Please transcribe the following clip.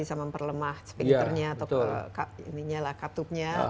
atau ke pinternya atau katupnya